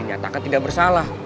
ternyata akan tidak bersalah